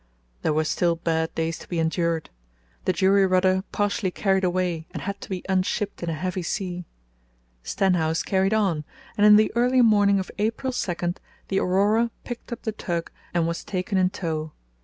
There were still bad days to be endured. The jury rudder partially carried away and had to be unshipped in a heavy sea. Stenhouse carried on, and in the early morning of April 2 the Aurora picked up the tug and was taken in tow.